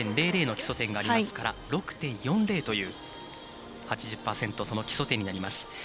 ８．００の基礎点がありますから６．４０という８０％、その基礎点になります。